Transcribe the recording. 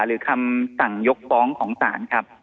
หรือคำสั่งยกฟ้องของศาลครับ